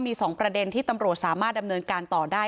มี๒ประเด็นที่ตำรวจสามารถดำเนินการต่อได้